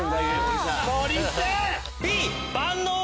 森さん！